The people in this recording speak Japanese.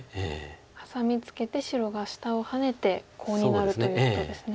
ハサミツケて白が下をハネてコウになるということですね。